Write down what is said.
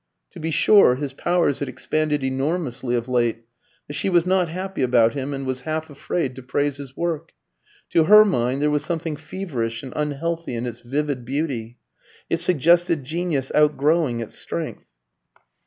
To be sure, his powers had expanded enormously of late; but she was not happy about him, and was half afraid to praise his work. To her mind there was something feverish and unhealthy in its vivid beauty. It suggested genius outgrowing its strength.